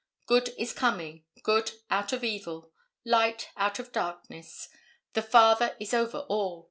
Good is coming; good out of evil; light out of darkness. The father is over all.